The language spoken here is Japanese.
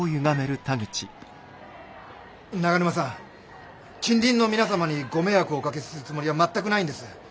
長沼さん近隣の皆様にご迷惑をおかけするつもりは全くないんです。